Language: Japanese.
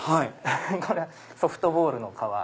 これはソフトボールの革。